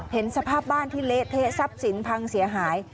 เห็นสภาพบ้านที่เละเทะทรัพย์สินพังเสียหาย